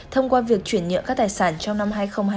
thông qua việc chuyển nhượng các tài sản trong năm hai nghìn hai mươi